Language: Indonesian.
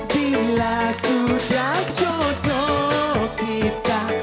bila sudah jodoh kita